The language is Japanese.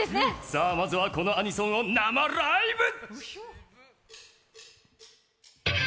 さあ、まずはこのアニソンを生ライブ！